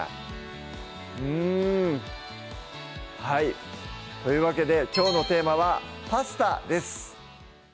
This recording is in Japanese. うんはいというわけできょうのテーマは「パスタ」です